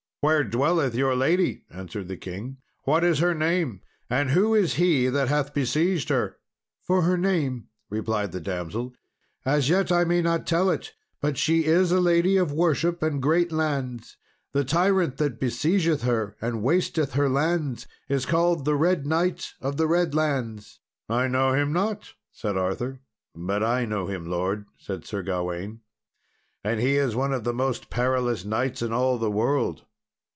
"Where dwelleth your lady?" answered the king. "What is her name, and who is he that hath besieged her?" "For her name," replied the damsel, "as yet I may not tell it; but she is a lady of worship and great lands. The tyrant that besiegeth her and wasteth her lands is called the Red Knight of the Redlands." "I know him not," said Arthur. "But I know him, lord," said Sir Gawain, "and he is one of the most perilous knights in all the world.